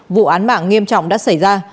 vụ án mạng nghiêm trọng đã xảy ra